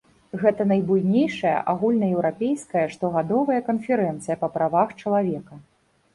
Гэта найбуйнейшая агульнаеўрапейская штогадовая канферэнцыя па правах чалавека.